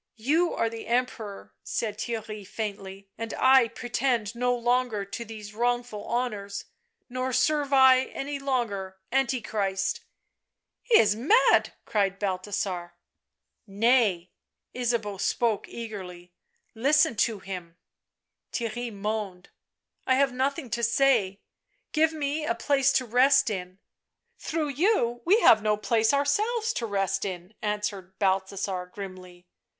" You are the Emperor," said Theirry faintly, " and I pretend no longer to these wrongful honours, nor serve I any longer Antichrist "" He is mad !" cried Balthasar. "Nay," Ysabeau spoke eagerly — "listen to him." Theirry moaned. " I have nothing to say — give me a place to rest in." " Through you we have no place ourselves to rest in," answered Balthasar grimly.